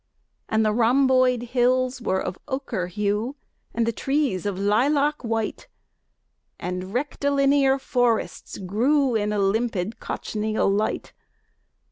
And the rhomboid hills were of ochre hue With trees of lilac white, And rectilinear forests grew In a limpid cochineal light.